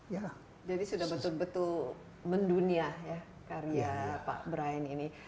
jadi sudah betul betul mendunia ya karya pak brian ini